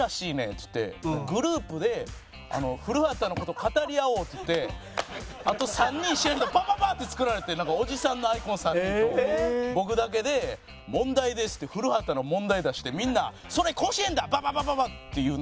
っつってグループで『古畑』の事語り合おうっていってあと３人知らん人パパパッて作られておじさんのアイコン３人と僕だけで「問題です」って『古畑』の問題出してみんな「それ甲子園だ！」バババババッていうＬＩＮＥグループ。